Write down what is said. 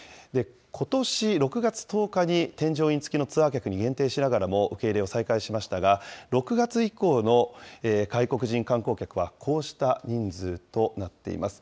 ことし６月１０日に添乗員付きのツアー客に限定しながらも受け入れを再開しましたが、６月以降の外国人観光客はこうした人数となっています。